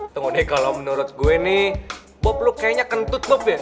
tunggu deh kalo menurut gue nih bob lo kayaknya kentut bob ya